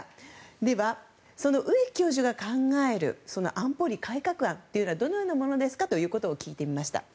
では、植木教授が考える安保理改革案とはどのようなものですかということを聞いてみました。